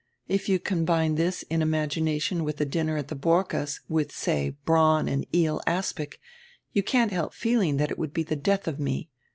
If you combine this in imagination with a dinner at the Borckes', with, say, brawn and eel aspic, you can't help feeling that it would be the death of me.